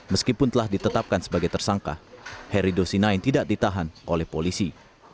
meskipun telah ditetapkan sebagai tersangka heri dosinain tidak ditahan oleh polisi